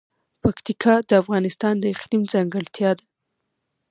پکتیکا د افغانستان د اقلیم ځانګړتیا ده.